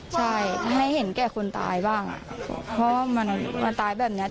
ใช่ให้เห็นแก่คนตายบ้างอ่ะเพราะว่ามันมันตายแบบเนี้ย